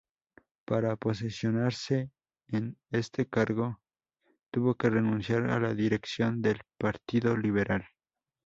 Para posesionarse en este cargo tuvo que renunciar a la dirección del Partido Liberal.